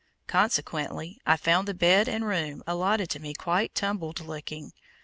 Consequently I found the bed and room allotted to me quite tumbled looking.